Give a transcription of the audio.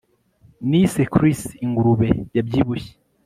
Nise Chris ingurube yabyibushye